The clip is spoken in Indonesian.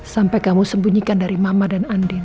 sampai kamu sembunyikan dari mama dan andin